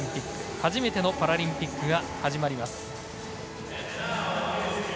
初めてのパラリンピックが始まります。